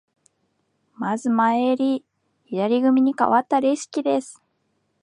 まず前襟、左組にかわったレシキです。